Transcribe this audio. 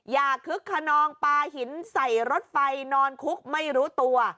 คึกขนองปลาหินใส่รถไฟนอนคุกไม่รู้ตัว